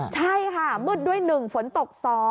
ใช่ค่ะมืดด้วย๑ฝนตก๒